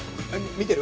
見てる？